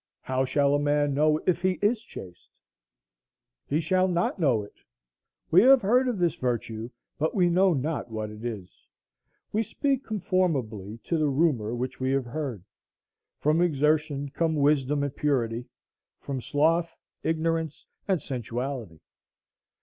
How shall a man know if he is chaste? He shall not know it. We have heard of this virtue, but we know not what it is. We speak conformably to the rumor which we have heard. From exertion come wisdom and purity; from sloth ignorance and sensuality.